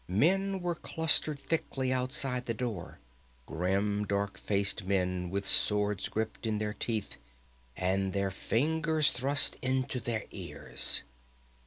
Men were clustered thickly outside the door; grim, dark faced men with swords gripped in their teeth and their fingers thrust into their ears.